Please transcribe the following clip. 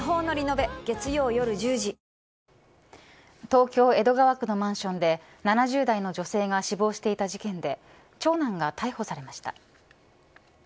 東京、江戸川区のマンションで７０代の女性が死亡していた事件で長男が逮捕されました。